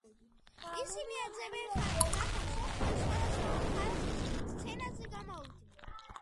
ისინი ეძებენ ხალხს რათა მსოფლიო სხვადასხვა ხალხის სცენაზე გამოვიდნენ.